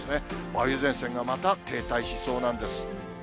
梅雨前線がまた停滞しそうなんです。